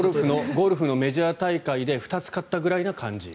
ゴルフのメジャー大会で２つ勝ったぐらいの感じ。